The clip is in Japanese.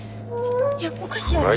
いやおかしいやろ。